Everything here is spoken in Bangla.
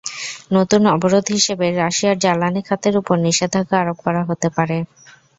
নতুন অবরোধ হিসেবে রাশিয়ার জ্বালানি খাতের ওপর নিষেধাজ্ঞা আরোপ করা হতে পারে।